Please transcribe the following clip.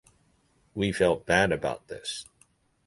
We felt bad about this.